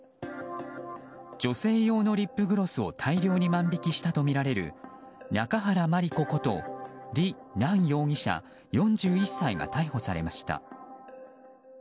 女性用のリップグロスを大量に万引きしたとみられる中原茉莉子ことリ・ナン容疑者が逮捕されました。